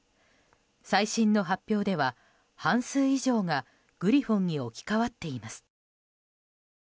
最新の発表では半数以上がグリフォンに置き換わっています。